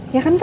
ya kan pa